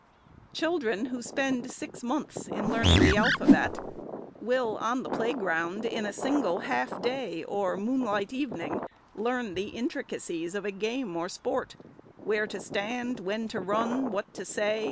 Children, who spend six months in learning the alphabet, will, on the play ground, in a single half day or moonlight evening learn the intricacies of a game or sport, — where to stand, when to run, what to say.